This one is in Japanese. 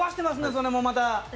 それもまた！